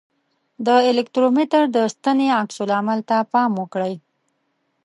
د الکترومتر د ستنې عکس العمل ته پام وکړئ.